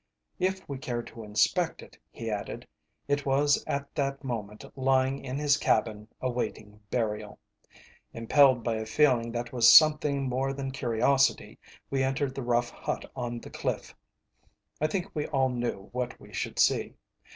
If we cared to inspect it, he added, it was at that moment lying in his cabin awaiting burial. Impelled by a feeling that was something more than curiosity, we entered the rough hut on the cliff. I think we all knew what we should see.